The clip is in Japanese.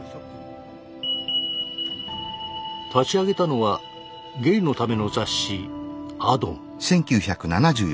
立ち上げたのはゲイのための雑誌「アドン」。